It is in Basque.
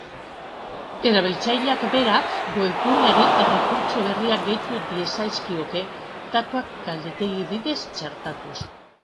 Erabiltzaileak berak, webguneari errekurtso berriak gehitu diezazkioke, datuak galdetegi bidez txertatuz.